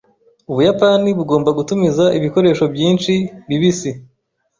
Ubuyapani bugomba gutumiza ibikoresho byinshi bibisi.